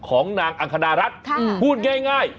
ของนางอังคณรัฐพูดง่าย